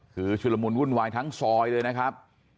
คือชุดละมุนวุ่นวายทั้งซอยเลยนะครับ